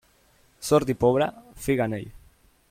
Sord i pobre, figa en ell.